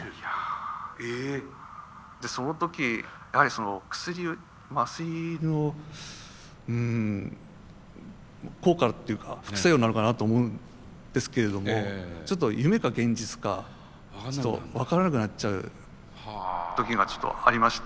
でその時やはり薬麻酔のうん効果っていうか副作用なのかなと思うんですけれども夢か現実か分からなくなっちゃう時がちょっとありまして。